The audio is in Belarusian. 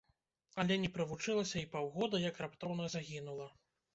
Але не правучылася і паўгода, як раптоўна загінула.